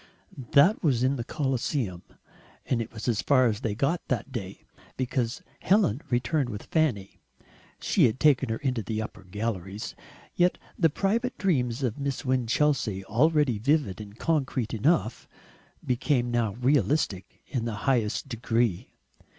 That was in the Colosseum, and it was as far as they got that day, because Helen returned with Fanny she had taken her into the upper galleries. Yet the private dreams of Miss Winchelsea, already vivid and concrete enough, became now realistic in the highest degree.